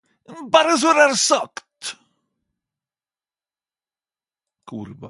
Berre så det er sagt.